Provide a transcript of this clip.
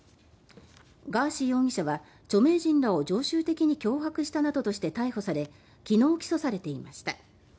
ガーシー容疑者は著名人らを常習的に脅迫したなどとして逮捕され昨日、起訴されていました。